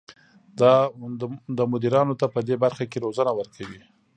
دا مدیرانو ته پدې برخه کې روزنه ورکوي.